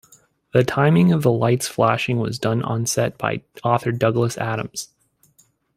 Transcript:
The timing of the light's flashing was done on set by author Douglas Adams.